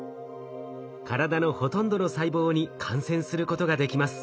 体のほとんどの細胞に感染することができます。